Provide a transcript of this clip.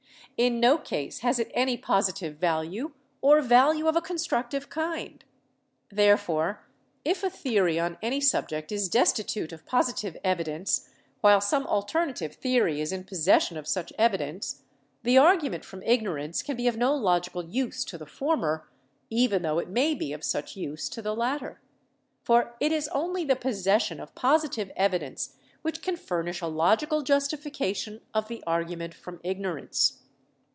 In no case has it any positive value or value of a constructive kind. Therefore, if a theory on any subject is destitute of positive evidence, while some alternative theory is in possession of such evidence, the argument from ignorance can be of no logical use to the former, even tho it may be of such use to the latter. For it is only the possession of positive evidence which can furnish a logical justification of the argument from ignorance.